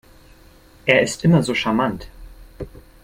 Er ist immer so charmant.